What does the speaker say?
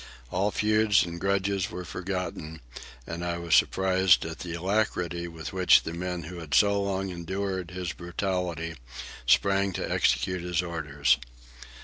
All feuds and grudges were forgotten, and I was surprised at the alacrity with which the men who had so long endured his brutality sprang to execute his orders.